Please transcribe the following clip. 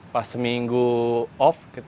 pas seminggu off dia bilang ya sudah